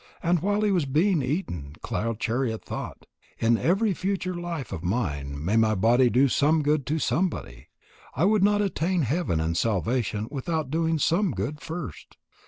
And while he was being eaten, Cloud chariot thought: "In every future life of mine may my body do some good to somebody. I would not attain heaven and salvation without doing some good first."